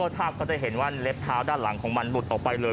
ภาพก็จะเห็นว่าเล็บเท้าด้านหลังของมันหลุดออกไปเลย